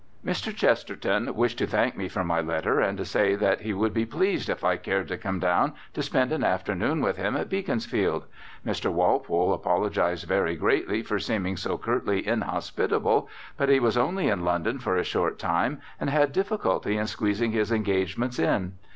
Mr. Chesterton wished to thank me for my letter and to say that he would be pleased if I cared to come down to spend an afternoon with him at Beaconsfield. Mr. Walpole apologised very greatly for seeming so curtly inhospitable, but he was only in London for a short time and had difficulty in squeezing his engagements in.